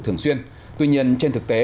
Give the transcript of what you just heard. thường xuyên tuy nhiên trên thực tế